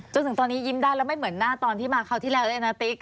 จนถึงตอนนี้ยิ้มได้แล้วไม่เหมือนหน้าตอนที่มาคราวที่แล้วด้วยนะติ๊ก